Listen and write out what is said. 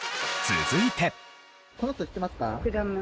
続いて。